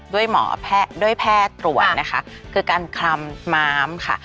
หมอด้วยแพทย์ตรวจนะคะคือการคลำม้ามค่ะ